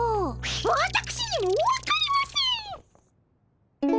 わたくしにも分かりません！